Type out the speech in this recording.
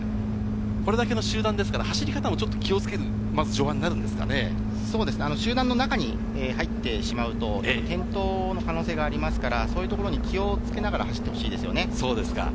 これだけの集団ですから、走り方もちょっと気をつける序盤になる集団の中に入ってしまうと転倒の可能性がありますから、そういうところに気をつけながら走ってほしいですね。